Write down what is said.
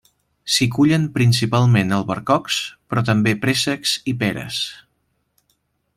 S'hi cullen principalment albercocs, però també préssecs i peres.